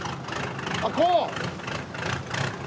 あっこう？